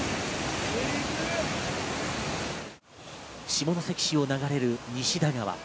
下関市を流れる西田川。